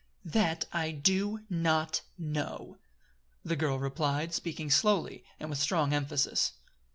"That I do not know!" the girl replied, speaking slowly and with strong emphasis.